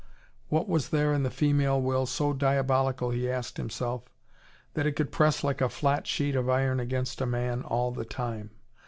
What was there in the female will so diabolical, he asked himself, that it could press like a flat sheet of iron against a man all the time?